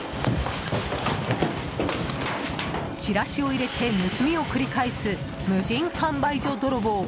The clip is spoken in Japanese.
チラシを入れて盗みを繰り返す無人販売所泥棒。